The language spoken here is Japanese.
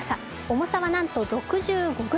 重さは、なんと６５ｇ。